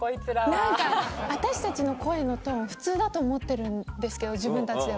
何か私たちの声のトーン普通だと思ってるんですけど自分たちでは。